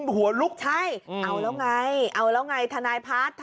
หัวลุกใช่เอาแล้วไงเอาแล้วไงทนายพัฒน์